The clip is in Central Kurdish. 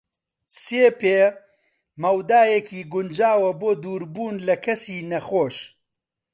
سێ پێ مەودایەکی گونجاوە بۆ دووربوون لە کەسی نەخۆش.